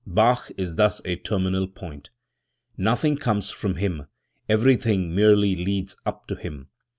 Bach is thus a terminal point. Nothing comes from him; everything merely leads up to him.